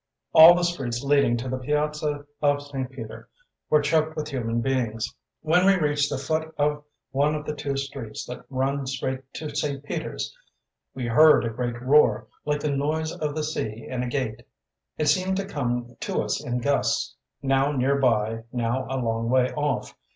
All the streets leading to the Piazza of St. Peter were choked with human beings. When we reached the foot of one of the two streets that run straight to St. Peter's we heard a great roar, like the noise of the sea in a gale; it seemed to come to us in gusts, now near by, now a long way off.